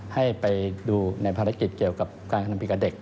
ให้ไปดูในภารกิจเกี่ยวกับการกระทำผิดกับเด็ก